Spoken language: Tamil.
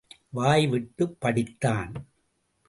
வாய் விட்டுப் படித்தான்.